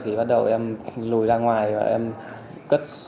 thì bắt đầu em lùi ra ngoài và em cất